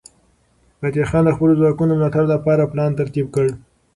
فتح خان د خپلو ځواکونو د ملاتړ لپاره پلان ترتیب کړ.